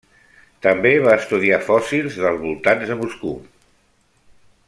També va estudiar fòssils dels voltants de Moscou.